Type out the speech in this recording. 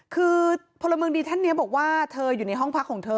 คือพลเมืองดีท่านนี้บอกว่าเธออยู่ในห้องพักของเธอ